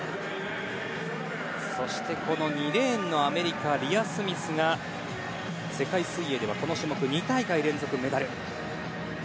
２レーンのアメリカリア・スミスが世界水泳ではこの種目２大会連続メダル。